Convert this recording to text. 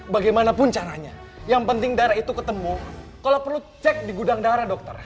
bagaimanapun caranya yang penting darah itu ketemu kalau perlu cek di gudang darah dokter